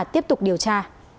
tiếp tục điều tra